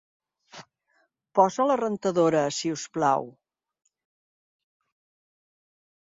Posa la rentadora, si us plau.